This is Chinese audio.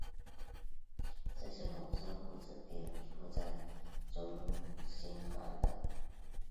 这些红色物质也覆盖了中心环的南半部。